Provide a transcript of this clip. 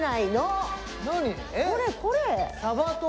これこれ。